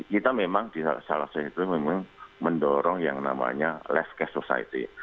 kita memang salah satu itu mendorong yang namanya less cash society